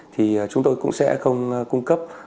thì chúng tôi cũng sẽ không cung cấp